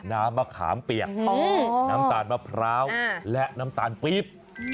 น้ำมะขามเปียกน้ำตาลมะพร้าวและน้ำตาลปี๊บ